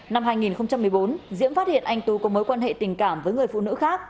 năm hai nghìn một mươi bốn diễm phát hiện anh tú có mối quan hệ tình cảm với người phụ nữ khác